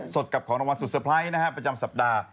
สดกับของรางวัลสุดเซอร์ไพรส์นะฮะประจำสัปดาห์